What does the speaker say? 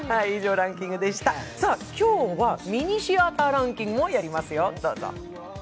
今日は、ミニシアターランキングもやりますよ。